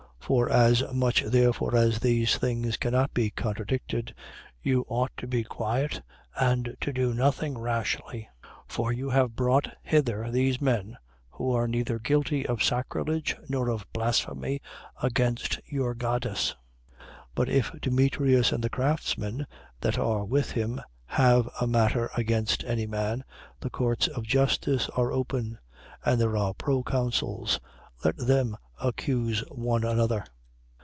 19:36. For as much therefore as these things cannot be contradicted, you ought to be quiet and to do nothing rashly. 19:37. For you have brought hither these men, who are neither guilty of sacrilege nor of blasphemy against your goddess. 19:38. But if Demetrius and the craftsmen that are with him have a matter against any man, the courts of justice are open: and there are proconsuls. Let them accuse one another.